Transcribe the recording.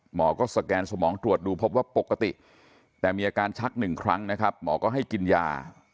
หมอก็สแกนสมองตรวจดูพบว่าปกติแต่มีอาการชักหนึ่งครั้งนะครับหมอก็ให้กินยา